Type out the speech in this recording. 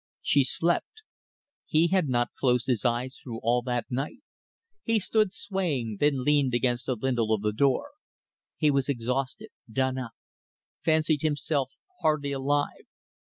She slept. He had not closed his eyes through all that night. He stood swaying then leaned against the lintel of the door. He was exhausted, done up; fancied himself hardly alive.